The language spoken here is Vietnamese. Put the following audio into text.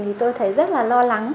thì tôi thấy rất là lo lắng